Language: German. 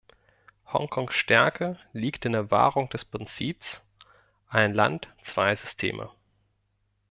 Hongkongs Stärke liegt in der Wahrung des Prinzips "Ein Land zwei Systeme".